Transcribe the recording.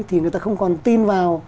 thì người ta không còn tin vào